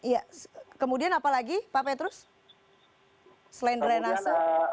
ya kemudian apa lagi pak petrus